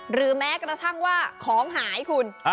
หรือแม้กระทั่งว่าของหายคุณ